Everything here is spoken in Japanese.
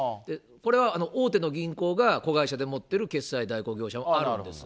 これは大手の銀行が子会社で持っている決済代行業者もあるんです。